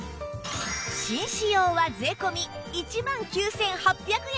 紳士用は税込１万９８００円です